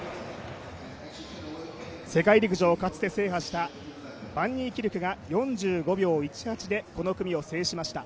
世界陸上をかつて制覇したバン・ニーキルクが５５秒１８でこの組を制しました。